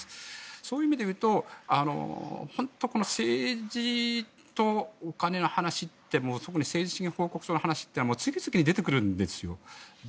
そういう意味で言うと本当、この政治と金の話って特に政治資金収支報告書の話って次々に出てくるんですよ。